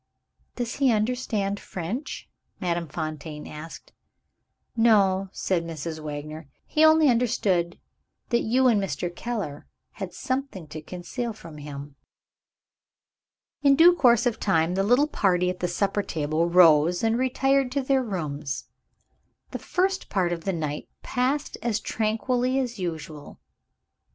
"Does he understand French?" Madame Fontaine asked. "No," said Mrs. Wagner; "he only understood that you and Mr. Keller had something to conceal from him." In due course of time the little party at the supper table rose, and retired to their rooms. The first part of the night passed as tranquilly as usual.